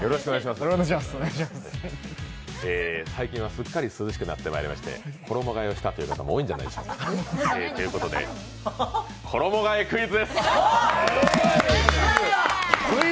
最近はすっかり涼しくなってまいりまして、衣がえをしたという方も多いのではないでしょうか。ということで衣がえクイズ。